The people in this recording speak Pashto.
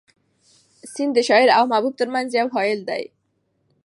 سیند د شاعر او محبوب تر منځ یو حایل دی.